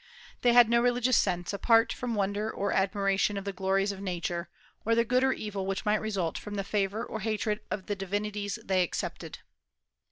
They had no religious sense, apart from wonder or admiration of the glories of Nature, or the good or evil which might result from the favor or hatred of the divinities they accepted.